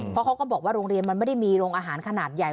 เพราะเขาก็บอกว่าโรงเรียนมันไม่ได้มีโรงอาหารขนาดใหญ่